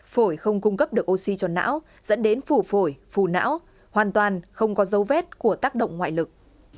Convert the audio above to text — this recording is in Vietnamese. phổi không cung cấp được oxy cho não dẫn đến phủ phổi phù não hoàn toàn không có dấu vết của tác động ngoại lực